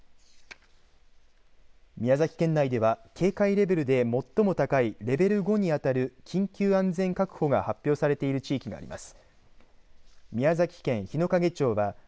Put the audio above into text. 宮崎県内では警戒レベルで最も高いレベル５に当たる緊急安全確保が発表されている地域があります。